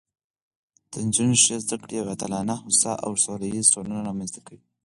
د نجونو ښې زده کړې یوه عادلانه، هوسا او سوله ییزه ټولنه رامنځته کوي